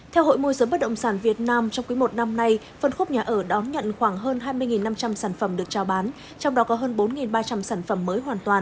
theo hội môi giới bất động sản việt nam trong quý một năm nay phân khúc nhà ở đón nhận khoảng hơn hai mươi năm trăm linh sản phẩm được trao bán trong đó có hơn bốn ba trăm linh sản phẩm mới hoàn toàn